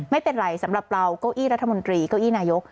ไม่เป็นไรสำหรับเราเก้าอี้รัฐมนตรีเก้าอี้นายก